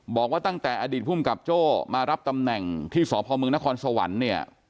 บอกว่าตั้งแต่อดีตภูมิกับโจ้มารับตำแหน่งที่สพมนครสวรรค์เนี่ย